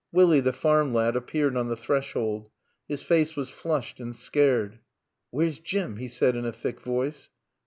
Willie, the farm lad, appeared on the threshold. His face was flushed and scared. "Where's Jim?" he said in a thick voice.